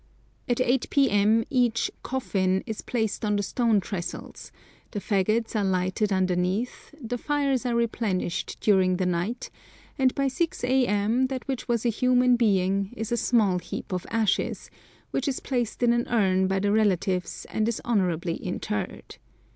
At 8 p.m. each "coffin" is placed on the stone trestles, the faggots are lighted underneath, the fires are replenished during the night, and by 6 a.m. that which was a human being is a small heap of ashes, which is placed in an urn by the relatives and is honourably interred.